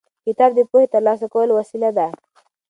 کتاب د پوهې د ترلاسه کولو وسیله ده.